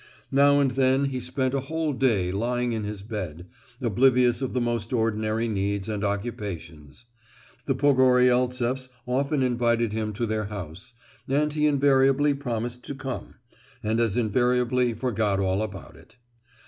Now and then he spent a whole day lying in his bed, oblivious of the most ordinary needs and occupations; the Pogoryeltseffs often invited him to their house, and he invariably promised to come, and as invariably forgot all about it.